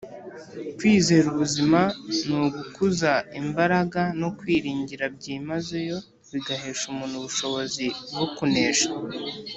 kwizera kuzima ni ugukuza imbaraga no kwiringira byimazeyo, bigahesha umuntu ubushobozi bwo kunesha